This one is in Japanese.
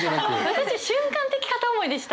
私瞬間的片思いでした。